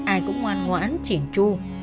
ai cũng ngoan ngoãn chỉn chu